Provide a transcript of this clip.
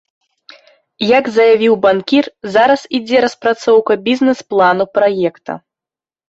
Як заявіў банкір, зараз ідзе распрацоўка бізнэс-плану праекта.